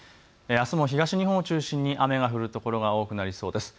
あすも東日本を中心に雨が降るところが多くなりそうです。